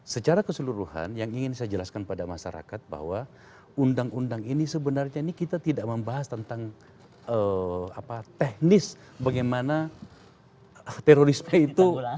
secara keseluruhan yang ingin saya jelaskan pada masyarakat bahwa undang undang ini sebenarnya ini kita tidak membahas tentang teknis bagaimana terorisme itu